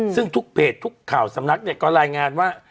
ซึ่งทุกเพจทุกข่าวสำนักเนี่ยก็รายงานว่า